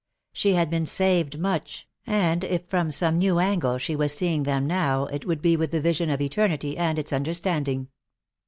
She had been saved much, and if from some new angle she was seeing them now it would be with the vision of eternity, and its understanding.